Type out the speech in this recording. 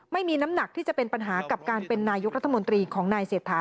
ไม่มีน้ำหนักที่จะเป็นปัญหากับการเป็นนายกรัฐมนตรีของนายเศรษฐา